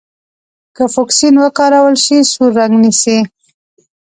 که فوکسین وکارول شي سور رنګ نیسي.